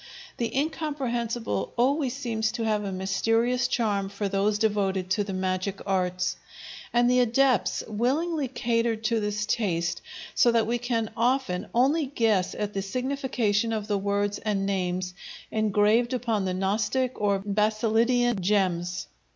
The incomprehensible always seems to have a mysterious charm for those devoted to the magic arts, and the adepts willingly catered to this taste, so that we can often only guess at the signification of the words and names engraved upon the Gnostic or Basilidian gems.